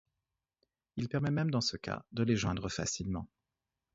Il permet même dans ce cas de les joindre facilement.